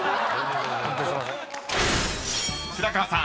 ［白河さん